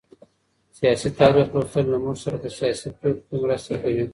سياسي تاريخ لوستل له موږ سره په سياسي پرېکړو کي مرسته کوي.